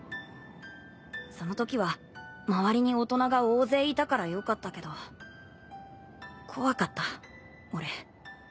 そのときは周りに大人が大勢いたからよかったけど怖かった俺